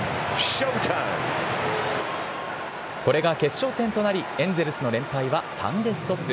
これが決勝点となり、エンゼルスの連敗は３でストップ。